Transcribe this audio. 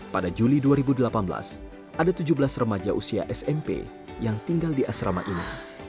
pada juli dua ribu delapan belas ada tujuh belas remaja usia smp yang tinggal di asrama ini